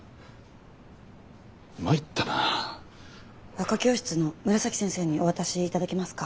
和歌教室の紫先生にお渡し頂けますか？